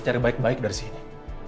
cari baik baik dari sini